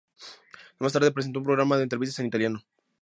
Más tarde presentó un programa de entrevistas en italiano.